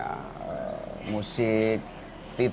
termasuk apa namanya